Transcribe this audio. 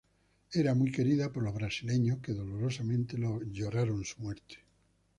Era muy querida por los brasileños, que dolorosamente lloraron su muerte.